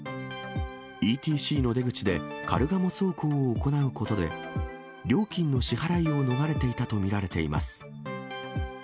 ＥＴＣの出口でカルガモ走行を行うことで、料金の支払いを逃れていたと見られています。